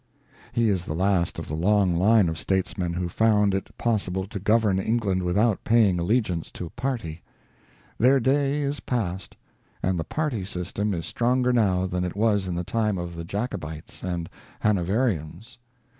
He is the last of the long line of statesmen who found it possible to govern England without paying allegiance to party. Their day is past ; and the party system is stronger now than it was in the time of the Jacobites and Hanoverians.